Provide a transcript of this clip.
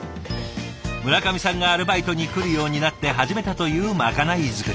村上さんがアルバイトに来るようになって始めたというまかない作り。